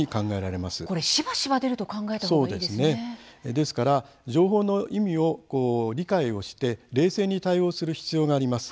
ですから情報の意味を理解をして冷静に対応する必要があります。